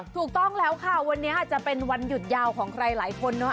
ถูกต้องแล้วค่ะวันนี้อาจจะเป็นวันหยุดยาวของใครหลายคนเนอะ